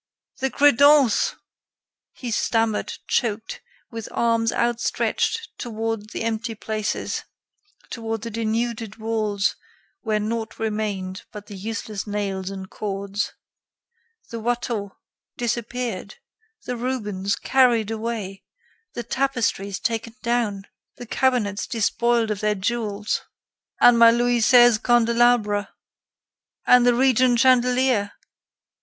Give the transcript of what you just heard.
The credence!" He stammered, choked, with arms outstretched toward the empty places, toward the denuded walls where naught remained but the useless nails and cords. The Watteau, disappeared! The Rubens, carried away! The tapestries taken down! The cabinets, despoiled of their jewels! "And my Louis XVI candelabra! And the Regent chandelier!...